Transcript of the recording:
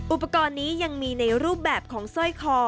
อุปกรณ์นี้ยังมีในรูปแบบของสร้อยคอ